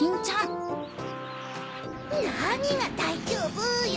なにが「だいじょうぶ」よ！